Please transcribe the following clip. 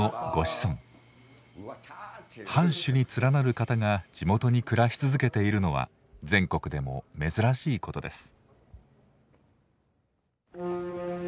藩主に連なる方が地元に暮らし続けているのは全国でも珍しいことです。